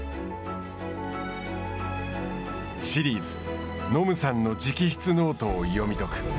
シリーズ、ノムさんの直筆ノートを読み解く。